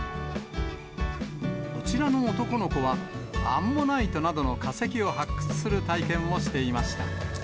こちらの男の子は、アンモナイトなどの化石を発掘する体験をしていました。